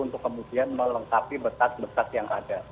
untuk kemudian melengkapi betas betas yang ada